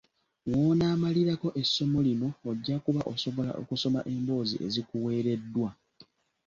W'onaamalirako essomo lino ojja kuba osobola okusoma emboozi ezikuweereddwa.